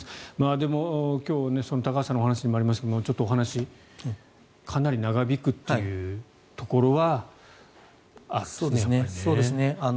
でも、今日高橋さんのお話にもありましたがちょっとお話かなり長引くというところは。